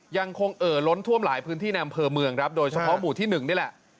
เอ่อล้นท่วมหลายพื้นที่ในอำเภอเมืองครับโดยเฉพาะหมู่ที่๑นี่แหละ